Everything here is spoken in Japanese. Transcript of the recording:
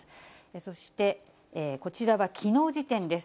そして、こちらはきのう時点です。